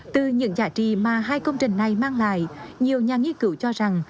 từ những giải trì mà hai công trình này mang lại nhiều nhà nghiên cứu cho rằng